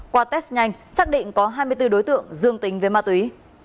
qua test nhanh xác định có hai mươi bốn đối tượng dương tính với ma túy